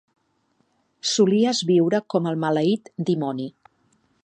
Solies viure com el maleït dimoni.